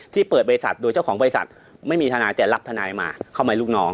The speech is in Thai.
เปิดบริษัทโดยเจ้าของบริษัทไม่มีทนายแต่รับทนายมาเข้ามาลูกน้อง